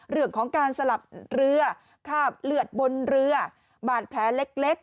เรื่องของการสลับเรือคาบเลือดบนเรือบาดแผลเล็ก